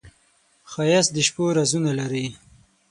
ښایست د شپو رازونه لري